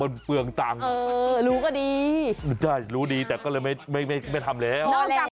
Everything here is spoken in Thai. ดูดีก็ได้แต่ก็เลยไม่ทำเลย